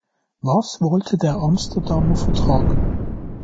Was wollte der Amsterdamer Vertrag?